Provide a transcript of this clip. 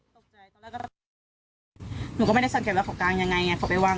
ที่เขาติดกับร่มไปหน่อยแล้วก็วิ่งมาดูเอาไขอยู่